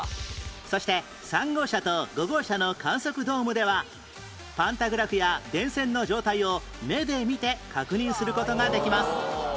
そして３号車と５号車の観測ドームではパンタグラフや電線の状態を目で見て確認する事ができます